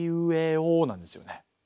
「お」なんですよね。